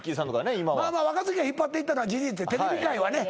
今は若槻が引っ張っていったのは事実テレビ界はね